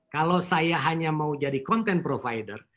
kalau saya hanya mau jadi content provider